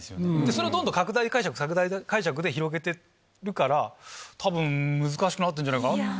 それをどんどん拡大解釈拡大解釈で広げてるから、たぶん難しくなってるんじゃないかな。